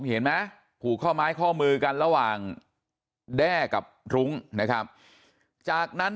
เห็นไหมผูกข้อไม้ข้อมือกันระหว่างแด้กับรุ้งนะครับจากนั้น